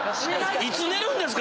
いつ寝るんですか